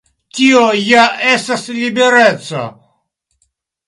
Tio ja estas libereco.